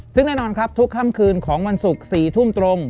ซึ่งแน่นอนครับทุกค่ำคืนของวันศุกร์๔ทุ่มตรง